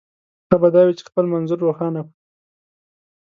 ښه به دا وي چې خپل منظور روښانه کړو.